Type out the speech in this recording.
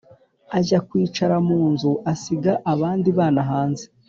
Ajya kwicara mu nzu asiga abandi bana hanze